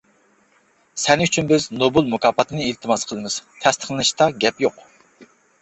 سەن ئۈچۈن بىز نوبېل مۇكاپاتىنى ئىلتىماس قىلىمىز، تەستىقلىنىشتا گەپ يوق.